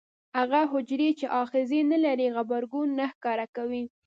هغه حجرې چې آخذې نه لري غبرګون نه ښکاره کوي.